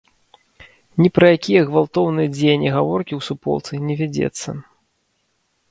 Ні пра якія гвалтоўныя дзеянні гаворкі ў суполцы не вядзецца.